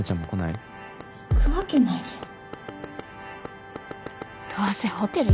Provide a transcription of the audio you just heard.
行くわけないじゃん。